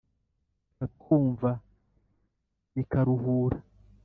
ikatwumva n'i karuhura.